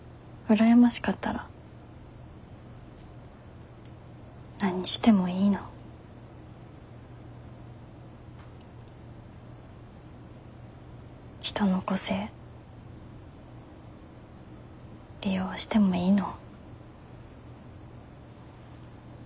羨ましかったら何してもいいの？人の個性利用してもいいの？